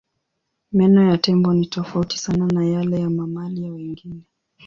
Meno ya tembo ni tofauti sana na yale ya mamalia wengine.